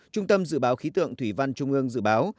trung tâm dự báo khí tượng thủy văn trung ương dự báo